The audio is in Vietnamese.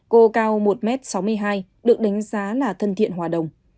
cô cao một m sáu mươi hai được đánh giá là thân thiện hòa đồng